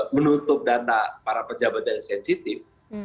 menutup data para pejabat yang sensitif